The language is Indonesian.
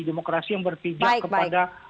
demokrasi yang berpijak kepada